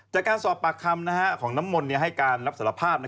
จากการสอบปากคำของน้ำมนต์ให้การรับสารภาพ